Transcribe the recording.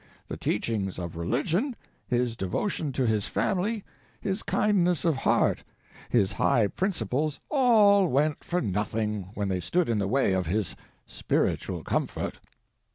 The teachings of religion, his devotion to his family, his kindness of heart, his high principles, all went for nothing when they stood in the way of his spiritual comfort.